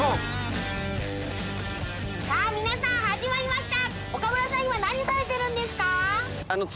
皆さん始まりました。